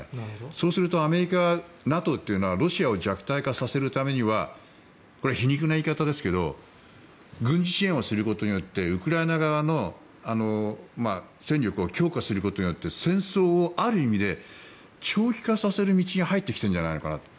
そうするとアメリカ、ＮＡＴＯはロシアを弱体化させるためにはこれは皮肉な言い方ですが軍事支援をすることによってウクライナ側の戦力を強化することによって戦争をある意味で長期化させる道に入ってきているんじゃないかなと。